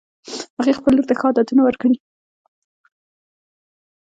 هغې خپلې لور ته ښه عادتونه ورکړي